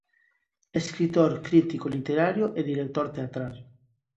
Escritor, crítico literario e director teatral.